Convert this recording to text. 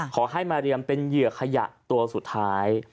ขอให้มาเรียมเป็นเหยื่อขยะตัวสุดท้าย